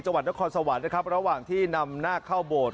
จังหวัดนครสวรรค์นะครับระหว่างที่นำหน้าเข้าโบสถ์